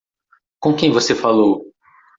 Com quem você falou?